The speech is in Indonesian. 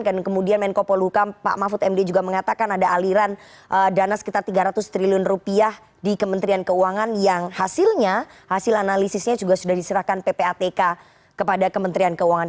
dan kemudian menko poluka pak mahfud md juga mengatakan ada aliran dana sekitar tiga ratus triliun rupiah di kementerian keuangan yang hasilnya hasil analisisnya juga sudah diserahkan ppatk kepada kementerian keuangan